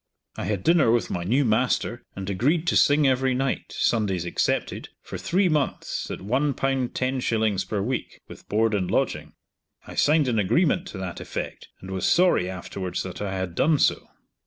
I had dinner with my new master, and agreed to sing every night, Sundays excepted, for three months at one pound ten shillings per week, with board and lodging. I signed an agreement to that effect, and was sorry afterwards that I had done so.